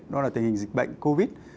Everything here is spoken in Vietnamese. đó là tình hình dịch bệnh covid